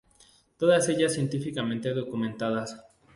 Todas ellas científicamente documentadas.